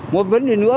một vấn đề nữa